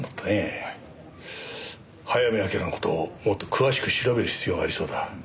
早見明の事をもっと詳しく調べる必要がありそうだ。